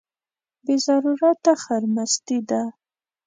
بې ضرورته خرمستي ده.